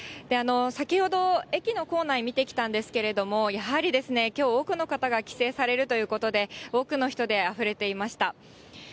先ほど、駅の構内見てきたんですけれども、やはりですね、きょう多くの方が帰省されるということで、多くの人であふれていました。